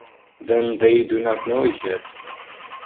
Then they do not know it yet?